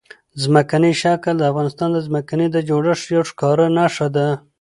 ځمکنی شکل د افغانستان د ځمکې د جوړښت یوه ښکاره نښه ده.